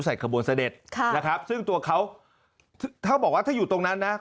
ใส่กระบวนเสด็จซึ่งตัวเขาถ้าอยู่ตรงนั้นนะ